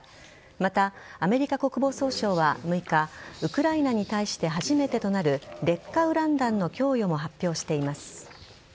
また、アメリカ国防総省は６日ウクライナに対して初めてとなる劣化ウラン弾の供与も発表しています。